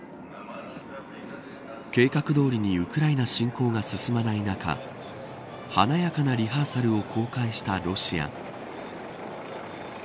計画どおりにウクライナ侵攻が進まない中華やかなリハーサルを公開したロシア。